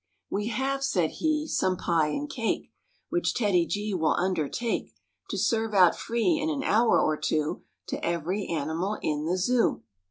"We have," said he, "some pie and cake Which TEDDY G will undertake To serve out free in an hour or two To every animal in the Zoo.